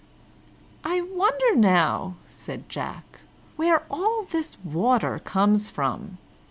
"I wonder now," said Jack, "where all this water comes from."